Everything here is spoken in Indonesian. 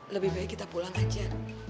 lebih baik kita pulang aja